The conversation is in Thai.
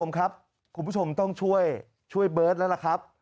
คุณผู้ชมครับคุณผู้ชมต้องช่วยช่วยเบิร์ตแล้วล่ะครับ